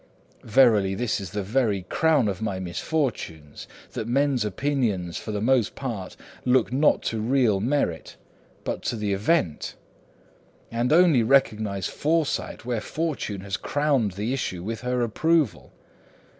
Verily this is the very crown of my misfortunes, that men's opinions for the most part look not to real merit, but to the event; and only recognise foresight where Fortune has crowned the issue with her approval.